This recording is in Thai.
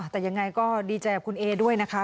แต่ยังไงก็ดีใจกับคุณเอด้วยนะคะ